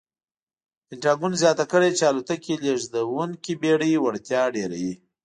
پنټاګون زیاته کړې چې الوتکې لېږدونکې بېړۍ وړتیا ډېروي.